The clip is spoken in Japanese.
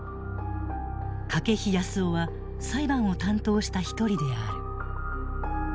筧康生は裁判を担当した一人である。